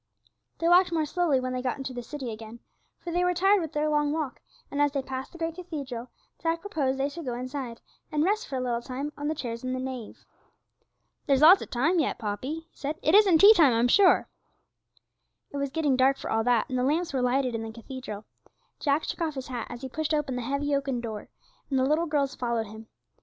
They walked more slowly when they got into the city again, for they were tired with their long walk, and as they passed the great cathedral Jack proposed that they should go inside and rest for a little time on the chairs in the nave. 'There's lots of time yet, Poppy,' he said; 'it isn't tea time, I'm sure.' It was getting dark for all that, and the lamps were lighted in the cathedral. Jack took off his hat as he pushed open the heavy oaken door, and the little girls followed him.